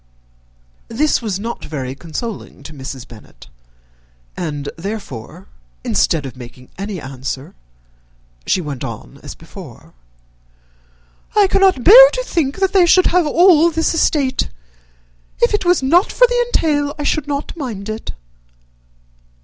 This was not very consoling to Mrs. Bennet; and, therefore, instead of making any answer, she went on as before. "I cannot bear to think that they should have all this estate. If it was not for the entail, I should not mind it."